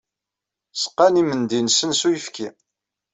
Seqqan imendi-nsen s uyefki.